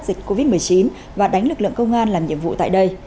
dịch covid một mươi chín và đánh lực lượng công an làm nhiệm vụ tại đây